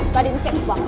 tadi ini siap banget